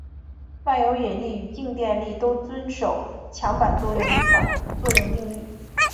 万有引力与静电力都遵守强版作用与反作用定律。